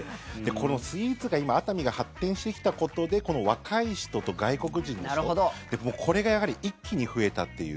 スイーツが今熱海が発展してきたことで若い人と外国人の人、これがやはり一気に増えたっていう。